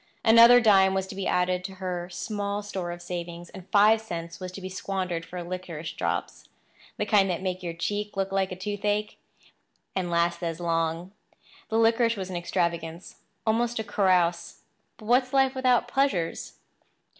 Another dime was to be added to her small store of savings; and five cents was to be squandered for licorice drops—the kind that made your cheek look like the toothache, and last as long. The licorice was an extravagance—almost a carouse—but what is life without pleasures?